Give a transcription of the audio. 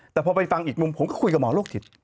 แต่พอไปฟังอีกมุมผมก็คุยกับหมอโรคจิต